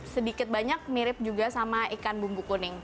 sedikit banyak mirip juga sama ikan bumbu kuning